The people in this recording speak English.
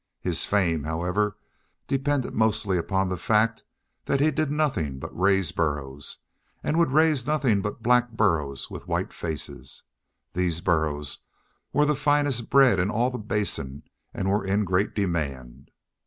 His fame, however, depended mostly upon the fact that he did nothing but raise burros, and would raise none but black burros with white faces. These burros were the finest bred in all the Basin and were in great demand.